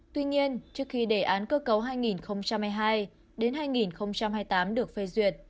tuy nhiên trước khi đề án cơ cấu hai nghìn hai mươi hai đến hai nghìn hai mươi tám được phê duyệt